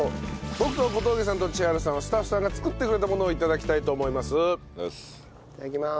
僕と小峠さんと千春さんはスタッフさんが作ってくれたものを頂きたいと思います。